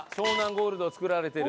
ゴールドを作られてる。